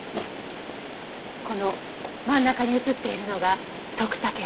この真ん中に写っているのが徳武警部補。